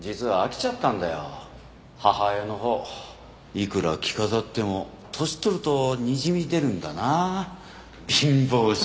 いくら着飾っても年取るとにじみ出るんだな貧乏臭。